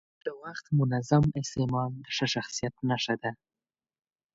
د وخت منظم استعمال د ښه شخصیت نښه ده.